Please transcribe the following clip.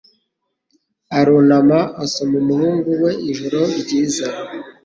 arunama asoma umuhungu we ijoro ryiza.